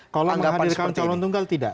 kalau menghadirkan calon tunggal tidak